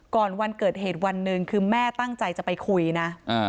วันเกิดเหตุวันหนึ่งคือแม่ตั้งใจจะไปคุยนะ